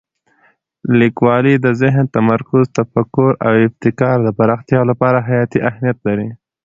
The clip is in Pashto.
لیکوالی د ذهن تمرکز، تفکر او ابتکار د پراختیا لپاره حیاتي اهمیت لري.